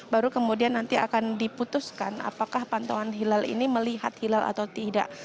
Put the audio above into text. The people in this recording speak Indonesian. baru kemudian nanti akan diputuskan apakah pantauan hilal ini melihat hilal atau tidak